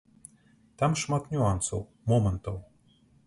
Там шмат нюансаў, момантаў.